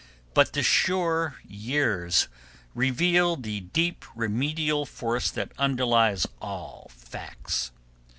But the sure years reveal the deep remedial force that underlies all facts.